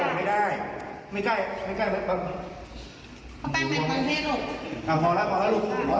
ได้ไม่ใกล้